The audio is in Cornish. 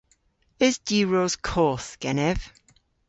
Eus diwros koth genev?